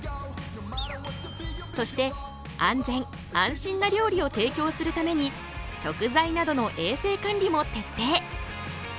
そして安全・安心な料理を提供するために食材などの衛生管理も徹底。